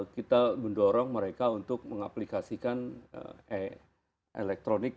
kita mendorong mereka untuk mengaplikasikan elektronik